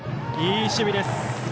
いい守備です。